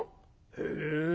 へえ。